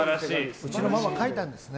うちのママ、書いたんですね。